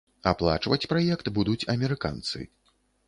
Аплачваць праект будуць амерыканцы.